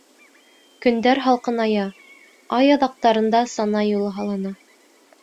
Көндәр һалҡыная, ай аҙаҡтарында сана юлы һалына.